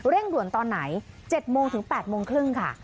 ด่วนตอนไหน๗โมงถึง๘โมงครึ่งค่ะ